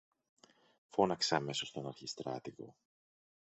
Φώναξε αμέσως τον αρχιστράτηγο